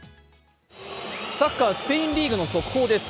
サッカー、スペインリーグの速報です。